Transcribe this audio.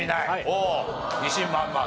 おお自信満々。